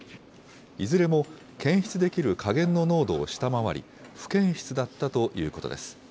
いずれも検出できる下限の濃度を下回り、不検出だったということです。